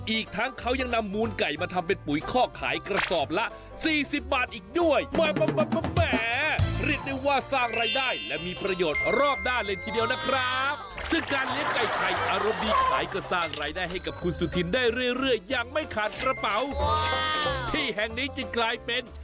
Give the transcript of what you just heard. อีกทั้งเขายังนำโหมนไก่มาทำเป็นปุ่ยข้อขายกระสอบละ๔๐บาทอีกด้วย